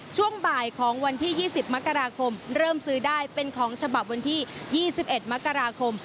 ช่วงบ่ายของวันที่๒๐มกราคมเริ่มซื้อได้เป็นของฉบับวันที่๒๑มกราคม